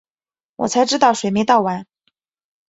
我才知道水没倒完